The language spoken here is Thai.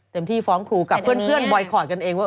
ที่ฟ้องครูกับเพื่อนบอยคอร์ดกันเองว่า